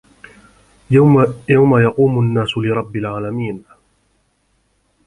يَومَ يَقومُ النّاسُ لِرَبِّ العالَمينَ